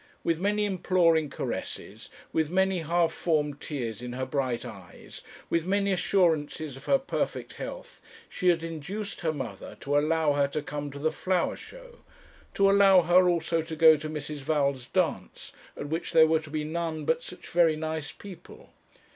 With many imploring caresses, with many half formed tears in her bright eyes, with many assurances of her perfect health, she had induced her mother to allow her to come to the flower show; to allow her also to go to Mrs. Val's dance, at which there were to be none but such very nice people.